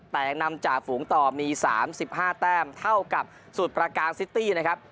แต่ยังนำจ่าฝูงต่อมี๓๕แต้มเท่ากับสูตรประการซิตี้นะครับ